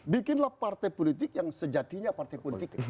bikinlah partai politik yang sejatinya partai politik